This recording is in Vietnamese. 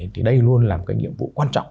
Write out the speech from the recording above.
thì đây luôn là một cái nhiệm vụ quan trọng